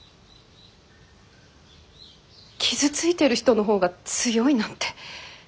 傷ついてる人の方が強いなんて。